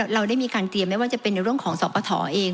เราได้มีการเตรียมไม่ว่าจะเป็นในเรื่องของสปฐเอง